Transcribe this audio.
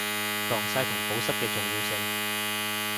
防曬同保濕嘅重要性